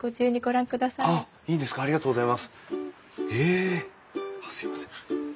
あっすみません。